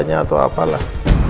banyak tuh apalah